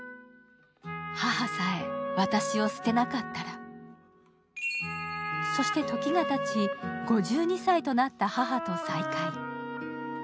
母さえ、私を捨てなかったらそして時がたち、５２歳となった母と再会。